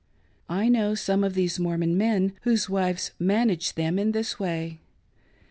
I know some of these Mormon men whose wives " manage " theni !» this way.